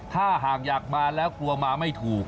ถ้าหากอยากมาแล้วกลัวมาไม่ถูก